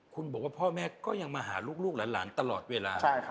คุณบอกว่าพ่อแม่ก็ยังมาหาลูกหลานตลอดเวลา